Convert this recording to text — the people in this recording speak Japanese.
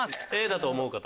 Ａだと思う方？